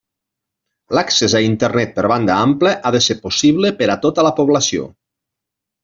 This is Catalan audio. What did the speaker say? L'accés a Internet per banda ampla ha de ser possible per a tota la població.